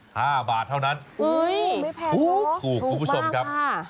ห้าบาทเท่านั้นอุ้ยไม่แพงถูกถูกคุณผู้ชมครับค่ะ